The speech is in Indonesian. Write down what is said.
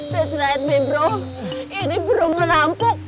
that's right mebraw ini belum melampau